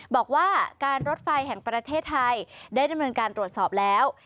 บอกว่าการรถไฟแห่งประเทศไทยได้ดำเนินการตรวจสอบแล้ว